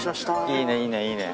いいねいいねいいね。